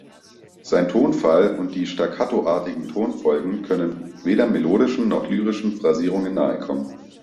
Sein Tonfall und die stakkatoartigen Tonfolgen können weder melodischen noch lyrischen Phrasierungen nahe kommen.